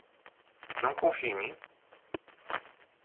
Não confia em mim?